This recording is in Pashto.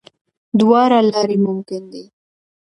دواړه لارې ممکن دي.